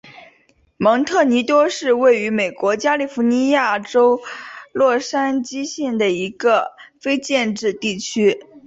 蒙特尼多是位于美国加利福尼亚州洛杉矶县的一个非建制地区。